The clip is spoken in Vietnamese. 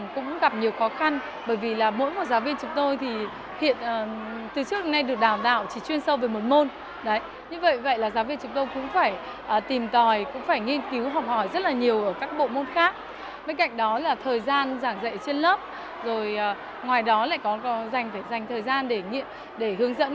các em hãy subscribe cho kênh ghiền mì gõ để không bỏ lỡ những video hấp dẫn